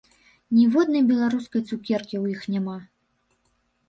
Ніводнай беларускай цукеркі ў іх няма!